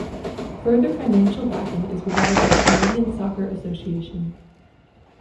Further financial backing is provided by the Canadian Soccer Association.